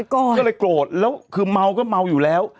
ก็เลยโกรธแล้วคือเมาก็เมาอยู่แล้ว